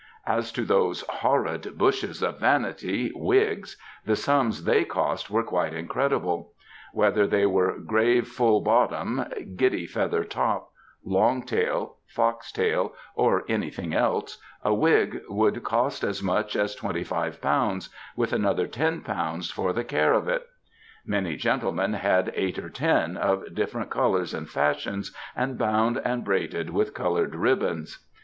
As to *^ those horrid bushes of vanity,^ wigs, the sums ihey cost were quite incredible. Whether they were grave fiill bottom,'' giddy feather top,'* " long tail,*^ ^^ fox tail, or anything else, a wig would cost as much as ┬Ż9&y with another ^10 for the care of it. Many gentle AMERICAN WOMEN 287 men had eight or ten, of different colours and fashions, and bound and braided with coloured ribbons.